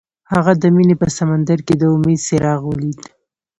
هغه د مینه په سمندر کې د امید څراغ ولید.